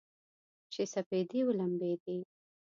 چې سپېدې ولمبیدې